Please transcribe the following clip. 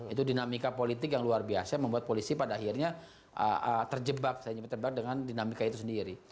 itu dinamika politik yang luar biasa membuat polisi pada akhirnya terjebak terjebak dengan dinamika itu sendiri